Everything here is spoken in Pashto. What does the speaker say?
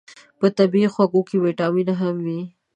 په طبیعي خوږو کې ویتامینونه هم وي.